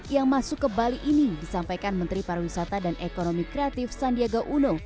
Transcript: yang masuk ke bali ini disampaikan menteri pariwisata dan ekonomi kreatif sandiaga uno